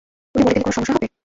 উনি মরে গেলে কোনো সমস্যা হবে?